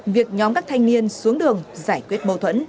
việc nhóm các thanh niên xuống đường giải quyết mâu thuẫn